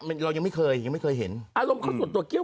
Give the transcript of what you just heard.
พลิกต๊อกเต็มเสนอหมดเลยพลิกต๊อกเต็มเสนอหมดเลย